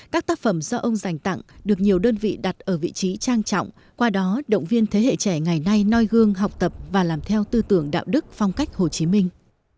các tác phẩm do ông dành tặng được nhiều đơn vị đặt ở vị trí trang trọng qua đó động viên thế hệ trẻ ngày nay noi gương học tập và làm theo tư tưởng đạo đức phong cách hồ chí minh